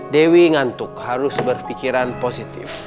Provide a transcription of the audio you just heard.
dewi ngantuk harus berpikiran positif